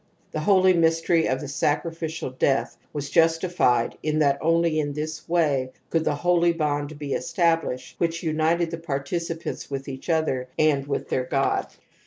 The holy mystery of the sacrificial death was^ justified in that only in this way could the holy bond he established which united the participants xipith each other and with their god'^^.